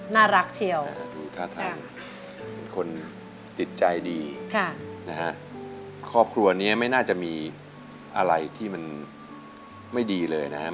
น่ารักเชียวดูท่าทางเป็นคนติดใจดีนะฮะครอบครัวนี้ไม่น่าจะมีอะไรที่มันไม่ดีเลยนะครับ